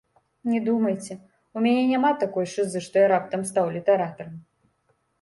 Не думайце, у мяне няма такой шызы, што я раптам стаў літаратарам.